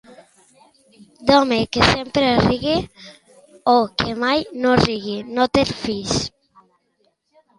D'home que sempre rigui, o que mai no rigui, no te'n fiïs.